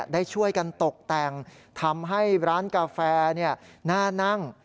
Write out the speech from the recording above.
ได้ช่วยกันตกแต่งทำให้ร้านกาแฟน่านั่ง